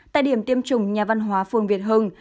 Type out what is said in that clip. tại điểm tiêm chủng nhà văn hóa phương việt hưng